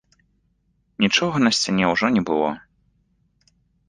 Нічога на сцяне ўжо не было.